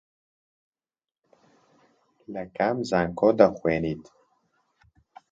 لە کام زانکۆ دەخوێنیت؟